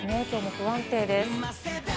不安定です。